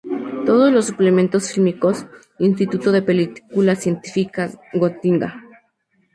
Todos los suplementos fílmicos: Instituto de Películas Científicas, Gotinga.